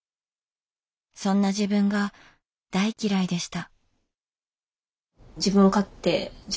そんな自分が大嫌いでした。